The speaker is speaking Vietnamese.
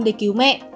để cứu mẹ